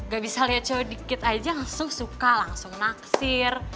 gak bisa lihat cowok dikit aja langsung suka langsung naksir